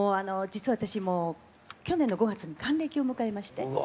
実は私もう去年の５月に還暦を迎えまして。